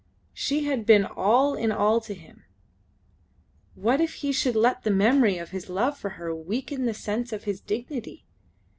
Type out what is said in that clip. She had been all in all to him. What if he should let the memory of his love for her weaken the sense of his dignity?